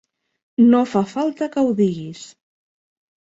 No fa falta que ho diguis.